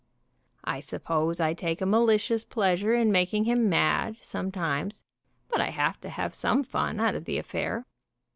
I sup pose I take a malicious pleasure in making him mad, sometimes, but I have to have some fun out of the affair.